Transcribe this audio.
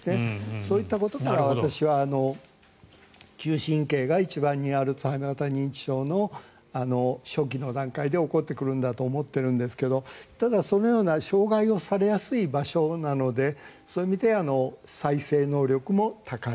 そういったことから私は嗅神経が一番にアルツハイマー型認知症の初期の段階で起こってくるんだと思っているんですがただ、そのような障害をされやすい場所なのでそういう意味で再生能力も高い。